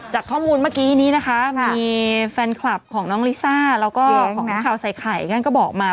จากข้อมูลเมื่อกี้นี้นะคะมีแฟนคลับของน้องลิซ่าแล้วก็ของข่าวใส่ไข่ท่านก็บอกมา